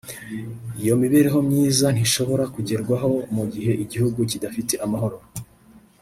Iyo mibereho myiza ntishobora kugerwaho mu gihe igihugu kidafite amahoro